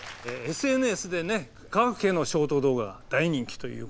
ＳＮＳでね科学系のショート動画が大人気ということで。